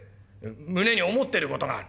胸に思ってる事がある？